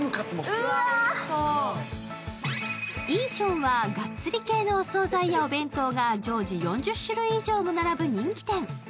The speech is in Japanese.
イーションはガッツリ系のお総菜やお弁当が常時４０種類以上も並ぶ人気店。